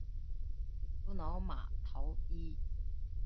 杜瑙保陶伊。